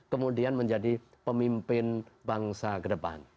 kemudian menjadi pemimpin bangsa kedepan